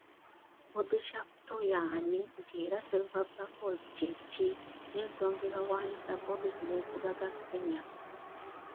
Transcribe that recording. Bobby Shaftoe' y'ani nti era ‘Silver buckles’ kye ki, n’ensonga ebawaanyisa 'Bobby' ku meefuga ga Kenya.